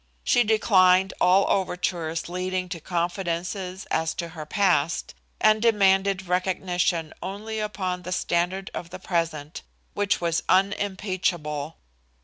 She declined all overtures leading to confidences as to her past, and demanded recognition only upon the standard of the present, which was unimpeachable.